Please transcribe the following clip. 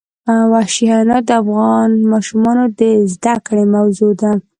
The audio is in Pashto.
وحشي حیوانات د افغان ماشومانو د زده کړې موضوع ده.